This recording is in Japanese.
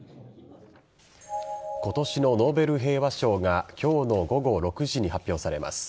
今年のノーベル平和賞が今日の午後６時に発表されます。